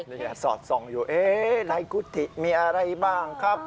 อย่าสอดส่องอยู่เอ๊ะไล่กุฏิมีอะไรบ้างครับ